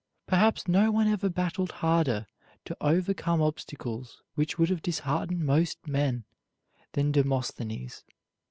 Perhaps no one ever battled harder to overcome obstacles which would have disheartened most men than Demosthenes.